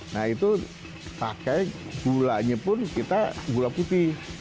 nah itu pakai gulanya pun kita gula putih